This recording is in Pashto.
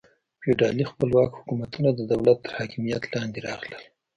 فیوډالي خپلواک حکومتونه د دولت تر حاکمیت لاندې راغلل.